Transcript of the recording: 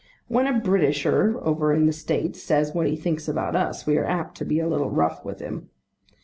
When a Britisher over in the States says what he thinks about us, we are apt to be a little rough with him.